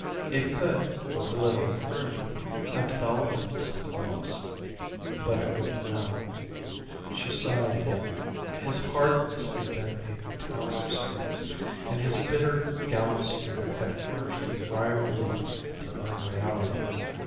It could, with a little encouragement, have developed into something else. But it wouldn't now. She sighed again. His hardness had been a tower of strength. And his bitter gallows humor had furnished a wry relief to grim reality.